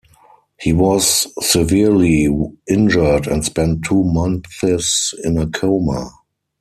He was severely injured and spent two months in a coma.